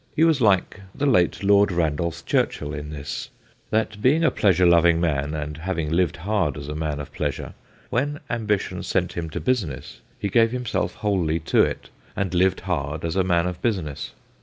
He was like the late Lord Randolph Churchill in this, that being a pleasure loving man, and having lived hard as a man of pleasure, when ambition sent him to business he gave himself wholly to it and lived hard as a man of business.